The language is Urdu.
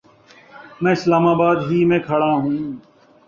میں اسلام آباد ہی میں کھڑا ہوں